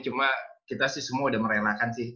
cuma kita sih semua udah merelakan sih